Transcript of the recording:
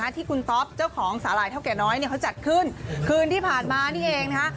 ที่คุณต๊อปเจ้าของสาหร่ายเท่าแก่น้อยเขาจัดขึ้นคืนที่ผ่านมานี่เองนะคะ